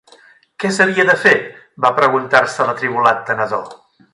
Què s'havia de fer?, va preguntar-se l'atribolat tenedor.